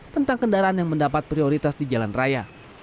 tentang kendaraan yang mendapat prioritas di jalan raya